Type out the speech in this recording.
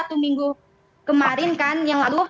satu minggu kemarin kan yang lalu